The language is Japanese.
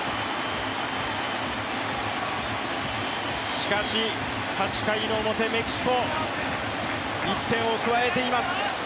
しかし８回表、メキシコ、１点を加えています。